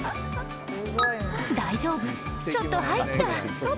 大丈夫、ちょっと入った！